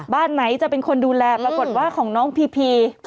บ้านไหนจะเป็นคนดูแลปรากฏว่าของน้องพีพี